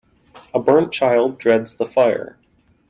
A burnt child dreads the fire.